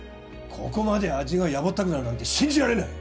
ここまで味がやぼったくなるなんて信じられない！